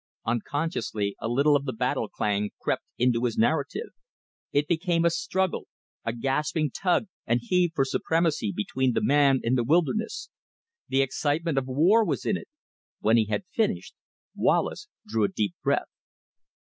Unconsciously a little of the battle clang crept into his narrative. It became a struggle, a gasping tug and heave for supremacy between the man and the wilderness. The excitement of war was in it. When he had finished, Wallace drew a deep breath.